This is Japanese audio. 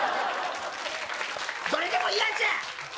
どれでも嫌じゃ！